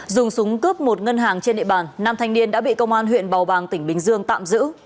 dùng súng cướp một ngân hàng trên địa bàn nam thanh niên đã bị công an huyện bào bàng tỉnh bình dương tạm giữ